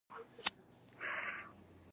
ښوونځی زده کوونکو ته د ژوند مهارتونه ورزده کوي.